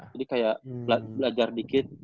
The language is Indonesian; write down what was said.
jadi kayak belajar dikit